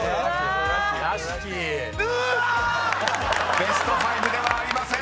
［ベスト５ではありません］